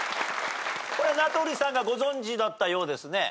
これは名取さんがご存じだったようですね。